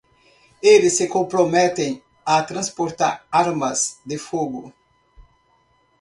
Eles se comprometem a transportar armas de fogo.